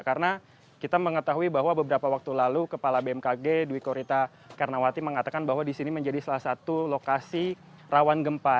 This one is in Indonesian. karena kita mengetahui bahwa beberapa waktu lalu kepala bmkg dwi korita karnawati mengatakan bahwa disini menjadi salah satu lokasi rawan gempa